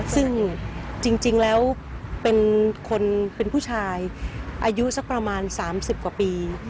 ซึ่งจริงแล้วเป็นคนเป็นผู้ชายอายุสักประมาณ๓๐กว่าปี